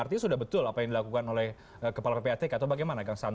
artinya sudah betul apa yang dilakukan oleh kepala ppatk atau bagaimana kang saan